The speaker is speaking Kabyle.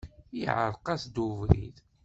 Iεreq-as-d ubrid.